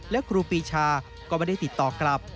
และครูปีชาก็ไม่ได้ติดต่อกลับ